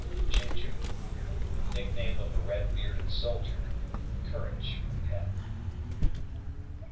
"Ginger." Nickname of a red beaded soldier; courage; pep.